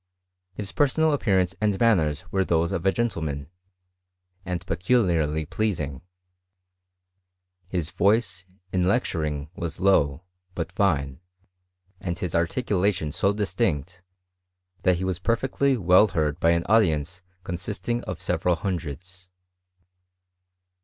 His personal appearance and manners irere those of a gentleman, and peculiarly pleasing: his voice, in lecturing, was low, but fine ; and his ar ticulation so distinct, that he was perfectly well heard by an audience consisting of several hundreds.